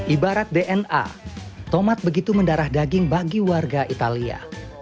ibarat dna tomat begitu mendarah daging bagi warga italia